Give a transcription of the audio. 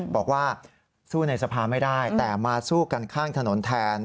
บอกว่าสู้ในสภาไม่ได้แต่มาสู้กันข้างถนนแทน